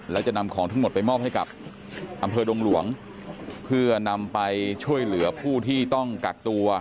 แล้วจะนำของทั้งหมดไปมอบให้กับอำเภอดงหลวงเพื่อนำไปช่วยเหลือผู้ที่ต้องกักตัว